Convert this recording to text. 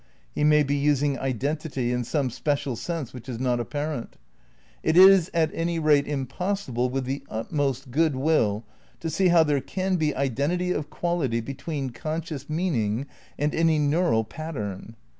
He may be using identity in some special sense which is not apparent. It is at any rate impossible, with the utmost good will, to see how there ccm be identity of quality between conscious meaning and any neural pattern.